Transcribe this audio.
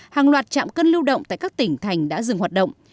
hàng loạt chạm cân lưu động tại các tỉnh thành đã dừng hoạt động